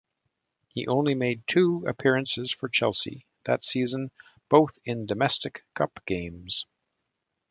He only made two appearances for Chelsea that season, both in domestic cup games.